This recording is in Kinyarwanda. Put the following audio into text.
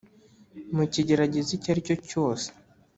Mu kigeragezo icyo aricyo cyose